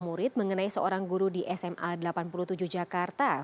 murid mengenai seorang guru di sma delapan puluh tujuh jakarta